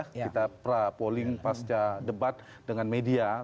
kita polling pasca debat dengan media